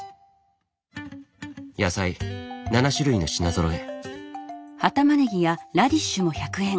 野菜７種類の品ぞろえ。